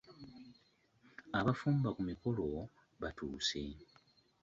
Abafumba ku mikolo batuuse.